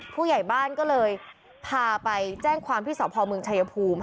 ผู้ใหญ่บ้านก็เลยพาไปแจ้งความที่สพเมืองชายภูมิ